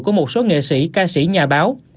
của một số nghệ sĩ ca sĩ nhà báo